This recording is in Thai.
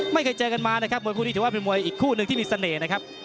ไม่เคยเจอกันมานะครับมวยคู่นี้ถือว่าเป็นมวยอีกคู่หนึ่งที่มีเสน่ห์นะครับ